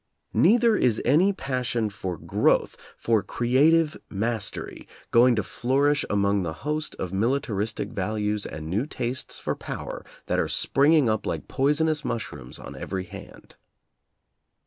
Neither is any pas sion for growth, for creative mastery, going to flourish among the host of militaristic values and new tastes for power that are springing up like poisonous mushrooms on every hand.